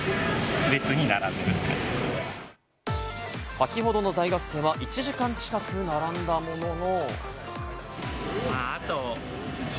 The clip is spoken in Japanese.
先ほどの大学生は１時間近く並んだものの。